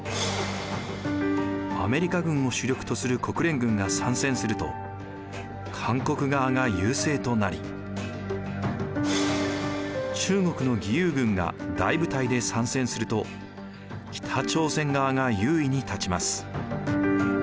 アメリカ軍を主力とする国連軍が参戦すると韓国側が優勢となり中国の義勇軍が大部隊で参戦すると北朝鮮側が優位に立ちます。